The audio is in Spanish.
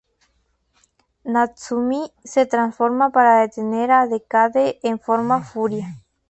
Natsumi se transforma para detener a Decade en Forma Furia.